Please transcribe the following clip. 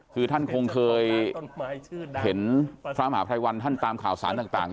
คือท่านคงเคยเห็นพระมหาภัยวันท่านตามข่าวสารต่าง